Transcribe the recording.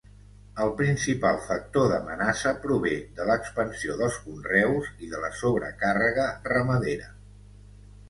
El principal factor d'amenaça prové de l'expansió dels conreus i de la sobrecàrrega ramadera.